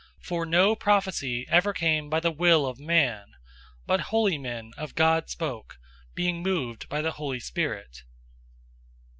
001:021 For no prophecy ever came by the will of man: but holy men of God spoke, being moved by the Holy Spirit.